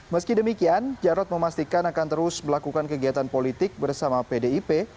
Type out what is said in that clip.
meski demikian jarod memastikan akan terus melakukan kegiatan politik bersama pdip